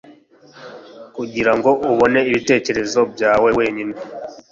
Kugirango ubone ibitekerezo byawe wenyine